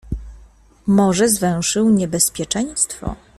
"Może zwęszył niebezpieczeństwo?"